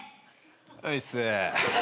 おいっす。